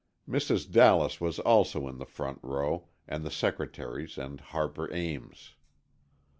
Mrs. Dallas was also in the front row, and the secretaries and Harper Ames.